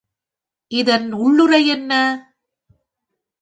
இதன் உள்ளுறை என்ன?